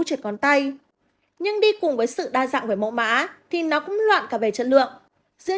trượt ngón tay nhưng đi cùng với sự đa dạng về mẫu mã thì nó cũng loạn cả về chất lượng giữa